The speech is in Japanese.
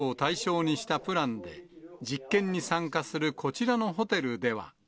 ワクチン接種済みの人を対象にしたプランで、実験に参加するこちらのホテルでは。